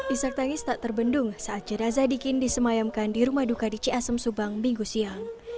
isak tangis tak terbendung saat jenazah dikin disemayamkan di rumah duka di ciasem subang minggu siang